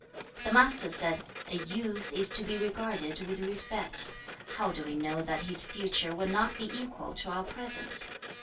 The Master said, 'A youth is to be regarded with respect. How do we know that his future will not be equal to our present?